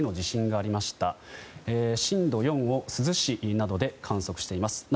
震度４を珠洲市などで観測しています。